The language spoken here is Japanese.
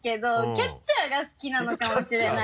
キャッチャーが好きなのかもしれないです。